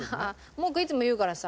文句いつも言うからさ。